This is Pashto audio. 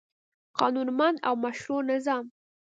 قانونمند او مشروع نظام